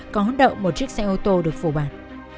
có hôn đậu một chiếc xe ô tô được phủ bản